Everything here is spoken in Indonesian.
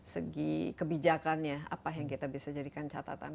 segi kebijakannya apa yang kita bisa jadikan catatan